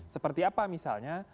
seperti apa misalnya